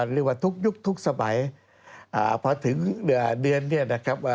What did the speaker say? เรียกว่าทุกยุคทุกสมัยพอถึงเดือนเนี่ยนะครับว่า